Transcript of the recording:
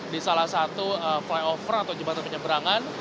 di salah satu flyover atau jembatan penyeberangan